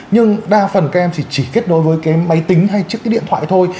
nhưng đa phần các em chỉ kết nối với cái máy tính hay chiếc cái điện thoại thôi